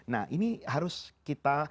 nah ini harus kita